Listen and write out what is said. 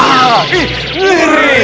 siapaan yang ada nih